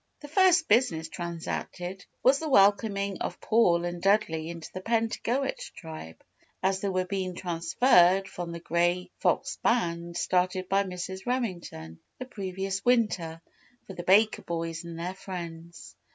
The first business transacted was the welcoming of Paul and Dudley into the Pentagoet Tribe, as they were being transferred from the Grey Fox Band started by Mrs. Remington the previous winter for the Baker boys and their friends.